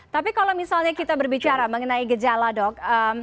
tapi kalau misalnya kita berbicara mengenai gejala dok